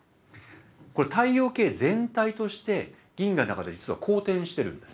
これ太陽系全体として銀河の中で実は公転してるんです。